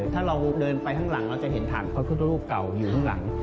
ถ้าเราเดินไปข้างหลังเราจะเห็นฐานพระพุทธรูปเก่าอยู่ข้างหลัง